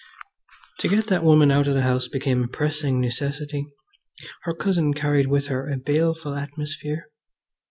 To get that woman out of the house became a pressing necessity. Her cousin carried with her a baleful atmosphere.